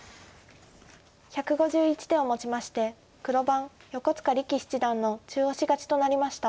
１５１手をもちまして黒番横塚力七段の中押し勝ちとなりました。